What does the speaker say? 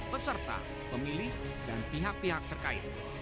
peserta pemilih dan pihak pihak terkait